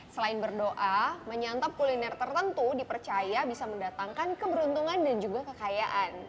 selain berdoa menyantap kuliner tertentu dipercaya bisa mendatangkan keberuntungan dan juga kekayaan